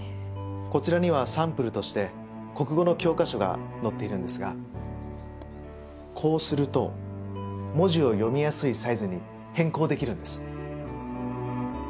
こちらにはサンプルとして国語の教科書が載っているんですがこうすると文字を読みやすいサイズに変更できるんです。